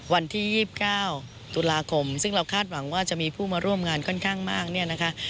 วันที่๒๙ตุลาคมซึ่งเราคาดหวังว่าจะมีผู้มาร่วมงานค่อนข้างมากเนี่ยนะคะ